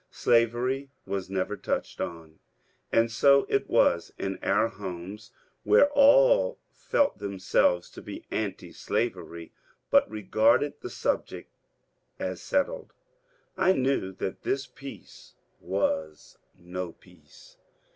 Slavery was never touched on. And so it was in other homes, where all felt themselves to be antislavery, but regarded the subject as settled. I knew that this peace was no peace.